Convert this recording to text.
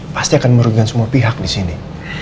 pasti akan merugikan semua pihak disini